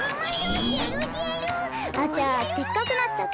あちゃでっかくなっちゃった！